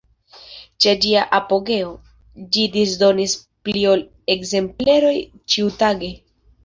Ĉe ĝia apogeo, ĝi disdonis pli ol ekzempleroj ĉiutage.